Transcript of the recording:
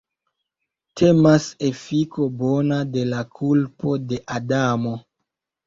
Temas efiko bona de la kulpo de Adamo.